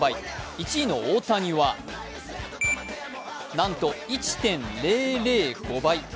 １位の大谷はなんと１．００５倍。